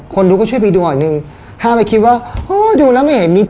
ดูก็ช่วยไปดูหน่อยหนึ่งห้ามไปคิดว่าโอ้ดูแล้วไม่เห็นมี